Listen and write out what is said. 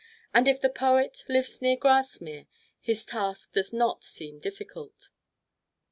And if the poet lives near Grasmere, his task does not seem difficult.